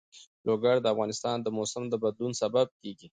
لوگر د افغانستان د موسم د بدلون سبب کېږي.